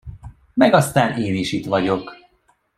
Meg aztán én is itt vagyok.